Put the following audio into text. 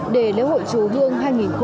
đề lễ hội chùa hương hai nghìn một mươi chín